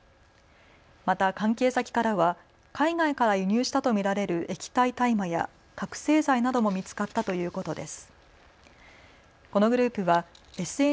また関係先からは海外から輸入したと見られる液体大麻や覚醒剤なども見つかったということです。